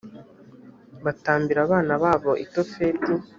batambira abana babo i tofeti